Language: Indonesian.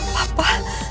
gak usah pura pura